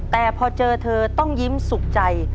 แต่พอเจอเธอต้องยิ้มสุขใจ